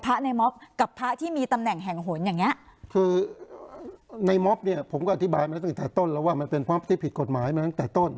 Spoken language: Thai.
ในม็อบกับพระที่มีตำแหน่งแห่งหนอย่างเงี้ยคือในม็อบเนี้ยผมก็อธิบายมาตั้งแต่ต้นแล้วว่ามันเป็นความที่ผิดกฎหมายมาตั้งแต่ต้น